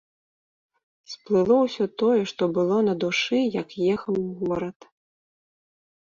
Сплыло ўсё тое, што было на душы, як ехаў у горад.